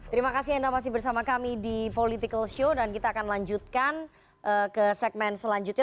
terima kasih anda masih bersama kami di political show dan kita akan lanjutkan ke segmen selanjutnya